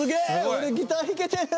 俺ギター弾けてる！